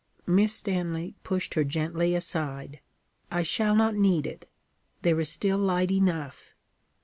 Miss Stanley pushed her gently aside. 'I shall not need it. There is still light enough.